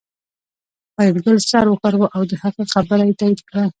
فریدګل سر وښوراوه او د هغه خبره یې تایید کړه